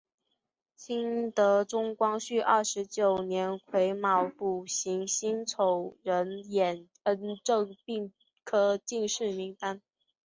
清德宗光绪二十九年癸卯补行辛丑壬寅恩正并科进士名单。